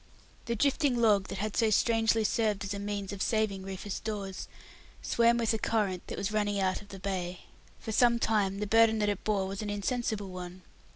The drifting log that had so strangely served as a means of saving Rufus Dawes swam with the current that was running out of the bay. For some time the burden that it bore was an insensible one.